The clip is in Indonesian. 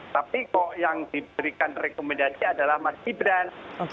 tapi kok yang diberikan rekomendasi adalah mas gibran